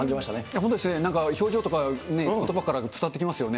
本当ですね、表情とか、ことばからも伝わってきますよね。